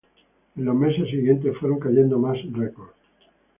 En los meses siguientes fueron cayendo más records.